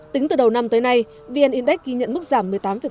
tính từ đầu năm tới nay vn index ghi nhận mức giảm một mươi tám ba